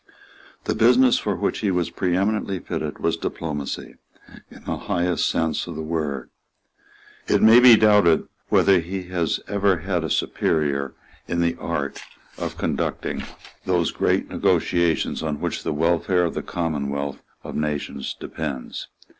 The business for which he was preeminently fitted was diplomacy, in the highest sense of the word. It may be doubted whether he has ever had a superior in the art of conducting those great negotiations on which the welfare of the commonwealth of nations depends.